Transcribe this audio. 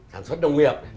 sản xuất nông nghiệp